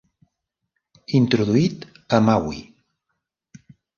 Introduït a Maui.